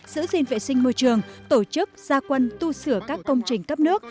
giữ gìn vệ sinh môi trường tổ chức gia quân tu sửa các công trình cấp nước